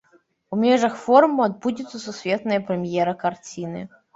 У межах форуму адбудзецца сусветная прэм'ера карціны.